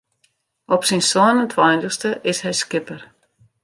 Op syn sân en tweintichste is hy skipper.